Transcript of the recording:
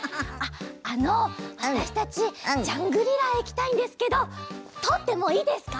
あのわたしたちジャングリラへいきたいんですけどとおってもいいですか？